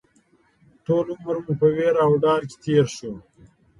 ټول عمر مو په وېره او ډار کې تېر شو